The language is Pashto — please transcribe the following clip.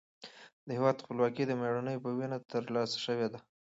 د هېواد خپلواکي د مېړنیو په وینه ترلاسه شوې ده.